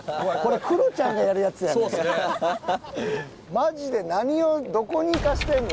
マジで何をどこに行かしてんの？